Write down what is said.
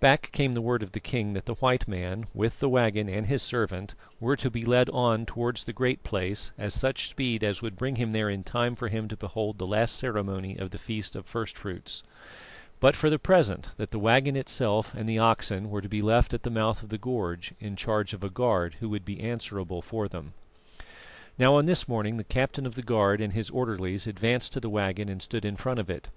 Back came the word of the king that the white man, with the waggon and his servant, were to be led on towards the Great Place at such speed as would bring him there in time for him to behold the last ceremony of the feast of first fruits; but, for the present, that the waggon itself and the oxen were to be left at the mouth of the gorge, in charge of a guard, who would be answerable for them. Now, on this morning the captain of the guard and his orderlies advanced to the waggon and stood in front of it.